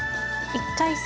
１回戦